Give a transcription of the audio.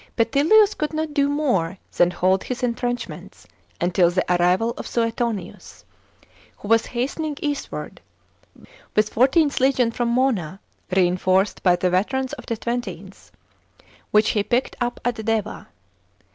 Petillius could not do more than hold his entrenchments until the arrival of Suetonius, who was hastening eastward, with legion XIV. from Mona, reinforced by the veterans of the XXth, which he picked up at Deva.